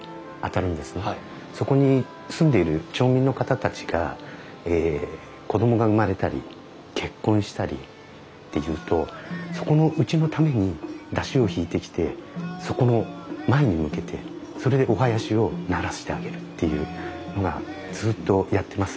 そこに住んでいる町民の方たちがえ子供が生まれたり結婚したりっていうとそこのうちのために山車を引いてきてそこの前に向けてそれでお囃子を鳴らしてあげるっていうのがずっとやってますね。